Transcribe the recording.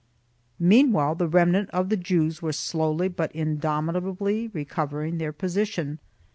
Meanwhile the remnant of the Jews were slowly but indomi tably recovering their position.